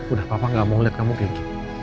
udah papa nggak mau liat kamu kenggit